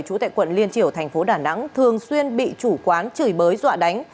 trú tại quận liên triểu thành phố đà nẵng thường xuyên bị chủ quán chửi bới dọa đánh